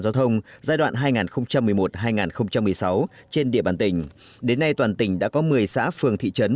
giao thông giai đoạn hai nghìn một mươi một hai nghìn một mươi sáu trên địa bàn tỉnh đến nay toàn tỉnh đã có một mươi xã phường thị trấn